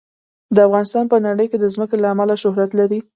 افغانستان په نړۍ کې د ځمکه له امله شهرت لري.